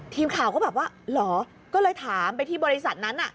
ทีมข่าวก็แบบว่าเหรอก็เลยถามไปที่บริษัทนั้น